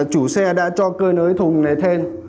chủ xe đã cho cơi nới thùng này thêm